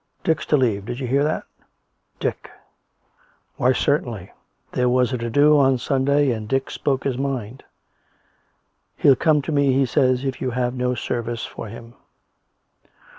Dick's to leave. Did you hear that? " "Dick!" " Why, certainly. There was a to do on Sunday, and Dick spoke his mind. He'll come to me, he says, if you have no service for him."